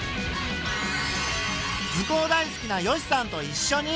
図工大好きな善しさんと一しょに。